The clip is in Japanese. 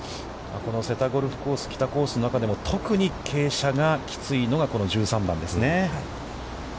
この瀬田ゴルフコース・北コースの中でも特に傾斜がきついのが、この１３番ですね。